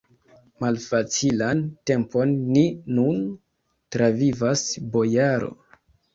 Malfacilan tempon ni nun travivas, bojaro!